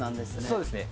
そうですね。